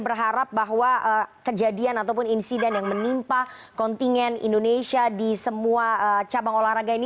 berharap bahwa kejadian ataupun insiden yang menimpa kontingen indonesia di semua cabang olahraga ini